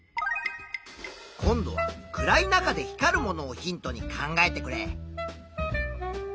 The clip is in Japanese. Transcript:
今度は暗い中で光るものをヒントに考えてくれ。